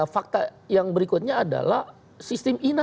fakta yang berikutnya adalah sistem inasi bijak